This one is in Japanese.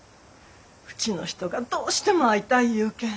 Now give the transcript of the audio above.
ウチの人がどうしても会いたい言うけん。